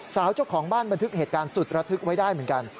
เจ้าของบ้านบันทึกเหตุการณ์สุดระทึกไว้ได้เหมือนกัน